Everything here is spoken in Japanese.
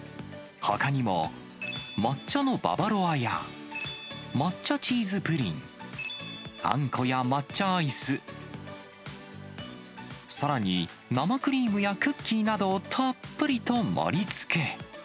ほかにも抹茶のババロアや抹茶チーズプリン、あんこや抹茶アイス、さらに生クリームやクッキーなどをたっぷりと盛りつけ。